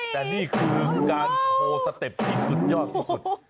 แต่นี่คือการโชว์สเต็ปที่สุดยอดสุด